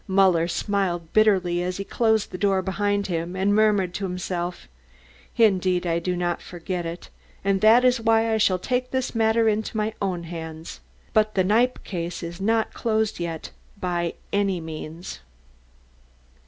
Muller smiled bitterly as he closed the door behind him, and murmured to himself: "Indeed, I do not forget it, and that is why I shall take this matter into my own hands. But the Kniepp case is not closed yet, by any means."